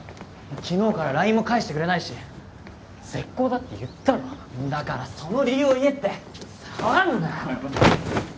昨日からＬＩＮＥも返してくれないし絶交だって言ったろだからその理由を言えって触んな！